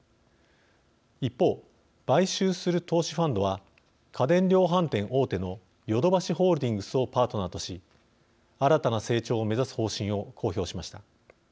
一方買収する投資ファンドは家電量販店大手のヨドバシホールディングスをパートナーとし新たな成長を目指す方針を公表しました。